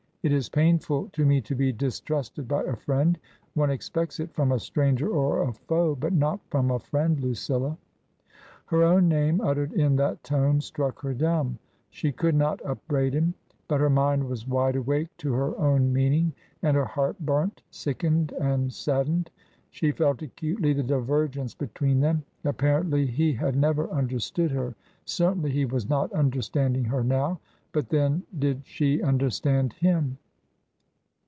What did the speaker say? It is painful to me to be distrusted by a friend ; one expects it from a stranger or a foe, but not from a friend, LuciUa !" Her own name uttered in that tone struck her dumb. 244 TRANSITION, She could not upbraid him. But her mind was wide awake to her own meaning. And her heart burnt, sickened, and saddened. She felt acutely the divergence between them. Apparently he had never understood her, certainly he was not understanding her now. But, then, did she understand him